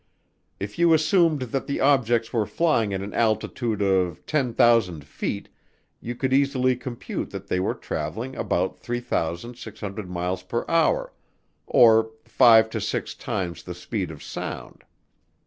If you assumed that the objects were flying at an altitude of 10,000 feet you could easily compute that they were traveling about 3,600 miles per hour, or five to six times the speed of sound.